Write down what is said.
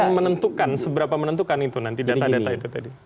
akan menentukan seberapa menentukan itu nanti data data itu tadi